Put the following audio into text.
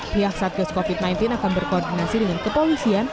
pihak satgas covid sembilan belas akan berkoordinasi dengan kepolisian